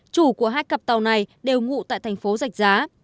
chủ của hai cặp tàu này đều ngụ tại thành phố giạch giá